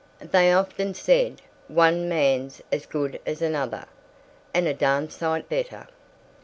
They often said, "One man's as good as another and a darn sight better."